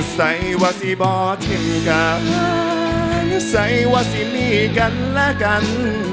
ใส่ว่าสิบอทิมกันใส่ว่าสิมีกันและกัน